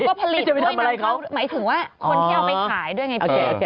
ก็ผลิตด้วยนะเขาหมายถึงว่าคนที่เอาไปขายด้วยไงพี่